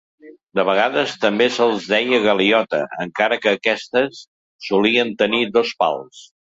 De vegades també se'ls deia galiota, encara que aquestes solien tenir dos pals.